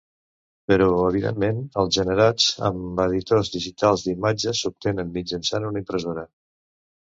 Però evidentment els generats amb editors digitals d'imatge s'obtenen mitjançant una impressora.